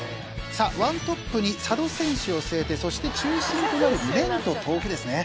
さあワントップに佐渡選手を据えてそして中心となる麺と豆腐ですね。